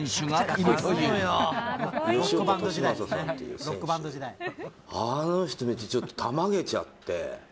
あの人を見て、ちょっとたまげちゃって。